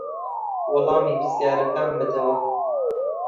وەڵامی پرسیارەکان بدەوە.